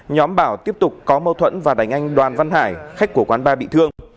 nhóm bảo tiếp tục có mâu thuẫn và đánh anh đoàn văn hải khách của quán ba bị thương